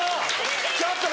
ちょっと！